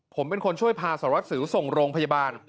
ผมเป็นคนช่วยพาสารวัสสิวส่งโรงพยาบาล